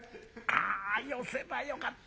あよせばよかった。